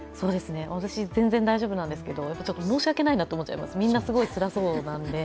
私、全然大丈夫なんですけど、申し訳ないと思っちゃいます、みんな、つらそうなので。